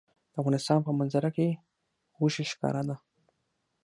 د افغانستان په منظره کې غوښې ښکاره ده.